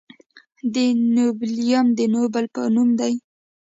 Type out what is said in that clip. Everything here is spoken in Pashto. د نوبلیوم د نوبل په نوم دی.